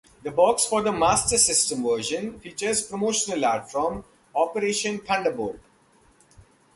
The box for the Master System version features promotional art from "Operation Thunderbolt".